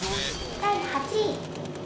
第８位。